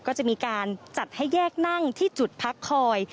ก็จะมีการจัดให้แยกนั่งที่จุดพักคอย